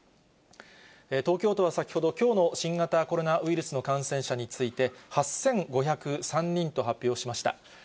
東京都は先ほど、きょうの新型コロナウイルスの感染者について、８５０３人と発表しました。